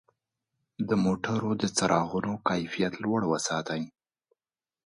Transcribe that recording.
د موټرو د څراغونو کیفیت لوړ وساتئ.